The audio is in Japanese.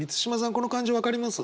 この感じ分かります？